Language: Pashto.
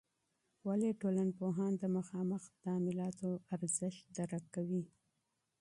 ولي ټولنپوهان د مخامخ تعاملاتو اهمیت درک کوي؟